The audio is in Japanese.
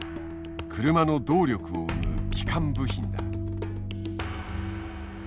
車の動力を生む基幹部品だ。